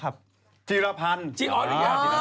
จากกระแสของละครกรุเปสันนิวาสนะฮะ